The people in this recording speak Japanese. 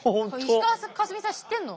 石川佳純さん知ってんの？